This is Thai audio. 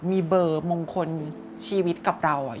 มีเบอร์มงคลชีวิตกับเรา